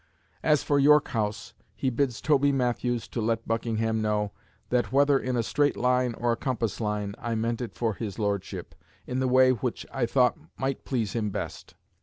"As for York House," he bids Toby Matthews to let Buckingham know, "that whether in a straight line or a compass line, I meant it for his Lordship, in the way which I thought might please him best."